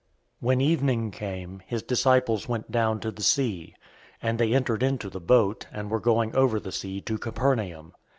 006:016 When evening came, his disciples went down to the sea, 006:017 and they entered into the boat, and were going over the sea to Capernaum.